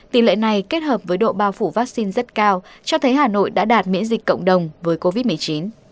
tỷ lệ này kết hợp với độ bao phủ vaccine rất cao cho thấy hà nội đã đạt miễn dịch cộng đồng với covid một mươi chín